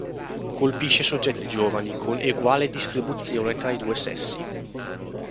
Colpisce soggetti giovani con eguale distribuzione tra i due sessi.